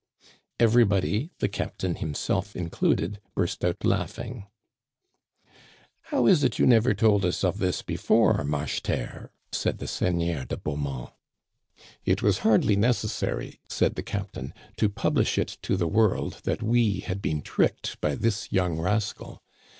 Everybody, the captain himself included, burst out laughing. How is it you never told us of this before, Marche terre ?" said the Seigneur de Beaumont. It was hardly necessary," said the captain, to pub lish it to the world that we had been tricked by this young rascal.